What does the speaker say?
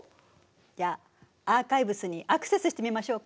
じゃあアーカイブスにアクセスしてみましょうか。